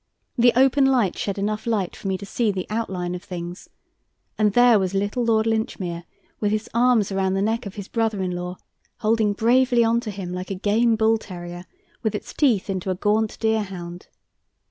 The open door shed enough light for me to see the outline of things, and there was little Lord Linchmere with his arms round the neck of his brother in law, holding bravely on to him like a game bull terrier with its teeth into a gaunt deerhound.